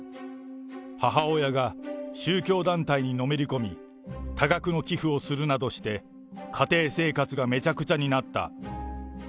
母親が宗教団体にのめり込み、多額の寄付をするなどして、家庭生活がめちゃくちゃになった。